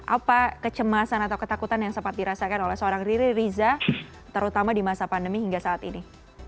apa kecemasan atau ketakutan yang sempat dirasakan oleh seorang riri riza terutama di masa pandemi hingga saat ini